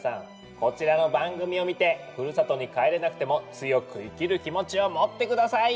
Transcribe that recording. こちらの番組を見てふるさとに帰れなくても強く生きる気持ちを持って下さい！